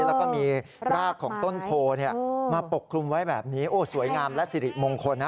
แล้วก็มีรากของต้นโพมาปกคลุมไว้แบบนี้โอ้สวยงามและสิริมงคลนะ